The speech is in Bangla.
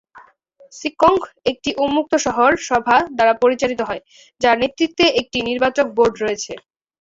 সিকোঙ্ক একটি উন্মুক্ত শহর সভা দ্বারা পরিচালিত হয়, যার নেতৃত্বে একটি নির্বাচক বোর্ড রয়েছে।